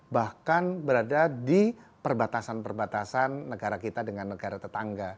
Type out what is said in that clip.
bahkan berada di perbatasan perbatasan negara kita dengan negara tetangga